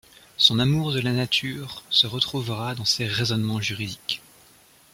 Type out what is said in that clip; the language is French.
Son amour de la nature se retrouvera dans ses raisonnements juridiques.